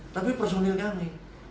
tapi personil kami